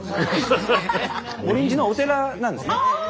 茂林寺お寺なんですね。